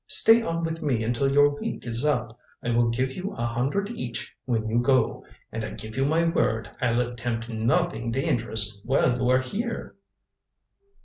Stay on with me until your week is up. I will give you a hundred each when you go and I give you my word I'll attempt nothing dangerous while you are here."